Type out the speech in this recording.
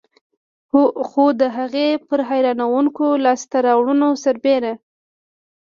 خو د هغې پر حیرانوونکو لاسته راوړنو سربېر.